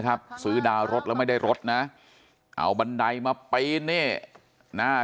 ซื้อดาวรถแล้วไม่ได้รถนะเอาบันไดมาปีนนี่หน้า